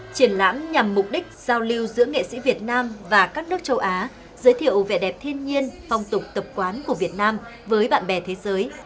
triển lãm nhằm mục đích giao lưu giữa nghệ sĩ việt nam và các nước châu á giới thiệu vẻ đẹp thiên nhiên phong tục tập quán của việt nam với bạn bè thế giới